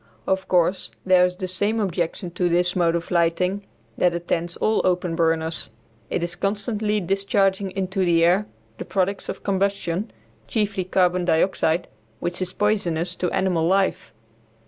Of course there is the same objection to this mode of lighting that attends all open burners; it is constantly discharging into the air the products of combustion, chiefly carbon dioxide, which is poisonous to animal life.